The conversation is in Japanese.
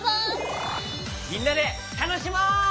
みんなでたのしもう！